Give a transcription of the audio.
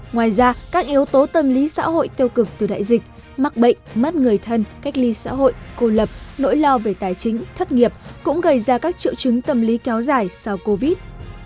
ngoài ra các yếu tố tâm lý xã hội tiêu cực từ đại dịch mắc bệnh mắt người thân cách ly xã hội cô lập nỗi lo về tài chính thất nghiệp cũng gây ra các triệu chứng tâm lý kéo dài sau covid